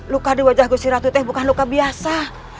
luka di wajah kusiratu itu bukan luka biasa